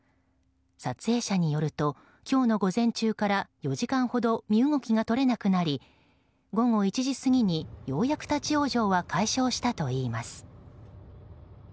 撮影者によると今日の午前中から４時間ほど身動きが取れなくなり午後１時過ぎにようやく立ち往生は解消したといいます。